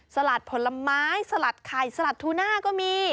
สลัดผลไม้สลัดไข่สลัดทูน่าก็มี